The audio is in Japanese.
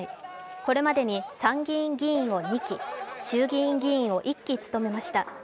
これまでに参議院議員を２期、衆議院議員を１期務めました。